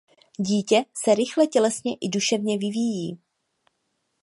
Dítě se rychle tělesně i duševně vyvíjí.